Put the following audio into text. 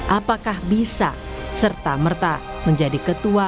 apakah bisa serta merta menjadi ketua